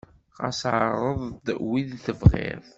Ɣas ɛreḍ-d win tebɣiḍ.